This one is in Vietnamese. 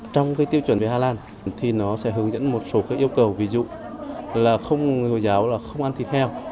trong tiêu chuẩn về hà lan nó sẽ hướng dẫn một số yêu cầu ví dụ là không ăn thịt heo